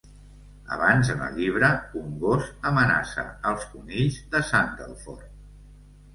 Abans en el llibre, un gos amenaça els conills de Sandleford.